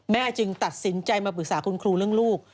จึงตัดสินใจมาปรึกษาคุณครูเรื่องลูก